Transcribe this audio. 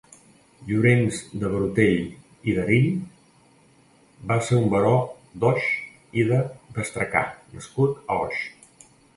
Llorens de Barutell i d'Erill va ser un baró d'Oix i de Bestracà nascut a Oix.